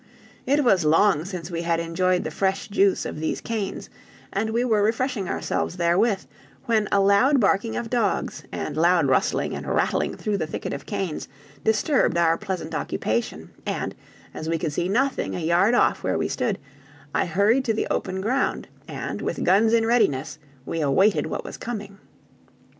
It was long since we had enjoyed the fresh juice of these canes, and we were refreshing ourselves therewith, when a loud barking of dogs, and loud rustling and rattling through the thicket of canes, disturbed our pleasant occupation, and, as we could see nothing a yard off where we stood, I hurried to the open ground, and with guns in readiness we awaited what was coming.